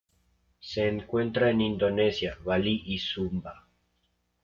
Se encuentra en Indonesia: Bali y Sumba.